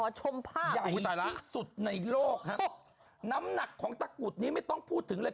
ชมภาพใหญ่ที่สุดในโลกฮะน้ำหนักของตะกรุดนี้ไม่ต้องพูดถึงเลย